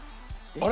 あれ？